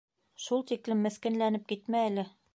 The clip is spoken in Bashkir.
Шул тиклем меҫкенләнеп китмә әле.